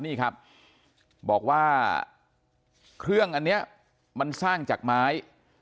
นี่ครับบอกว่าเครื่องอันนี้มันสร้างจากไม้